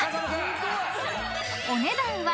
［お値段は］